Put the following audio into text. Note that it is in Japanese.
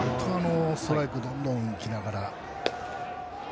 ストライクどんどんいきながら。